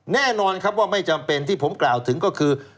แน่นอนครับว่าไม่จำเป็นที่ผมกล่าวถึงก็คือ